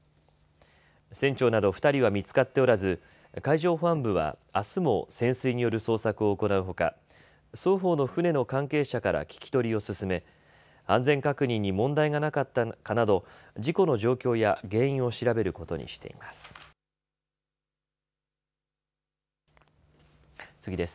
船長など２人は見つかっておらず、海上保安部は、あすも潜水による捜索を行うほか、双方の船の関係者から聞き取りを進め安全確認に問題がなかったかなど事故の状況や原因を調べることにしています。